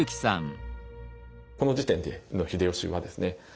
この時点での秀吉はですね